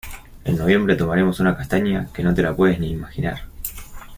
En noviembre tomaremos una castaña que no te la puedes ni imaginar.